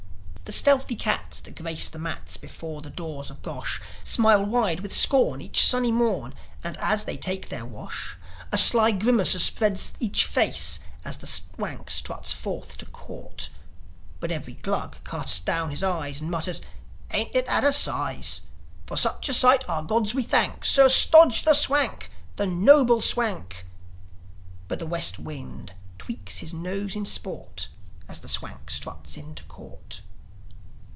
The stealthy cats that grace the mats Before the doors of Gosh, Smile wide with scorn each sunny morn; And, as they take their wash, A sly grimace o'erspreads each face As the Swank struts forth to court. But every Glug casts down his eyes, And mutters, "Ain't 'is 'at a size! For such a sight our gods we thank. Sir Stodge, the Swank! The noble Swank!" But the West wind tweaks his nose in sport; And the Swank struts into court.